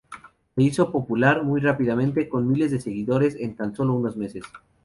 Se hizo popular muy rápidamente, con miles de seguidores en tan solo unos meses.